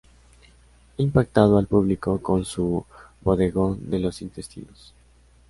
Ha impactado al público con su bodegón de los intestinos.